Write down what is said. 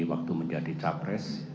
waktu menjadi capres